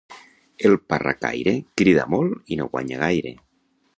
El parracaire crida molt i no guanya gaire.